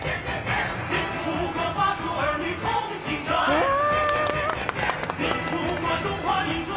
うわ。